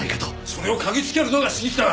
それを嗅ぎつけるのが杉下だ。